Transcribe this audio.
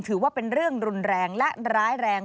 ถือว่าเป็นเรื่องรุนแรงและร้ายแรง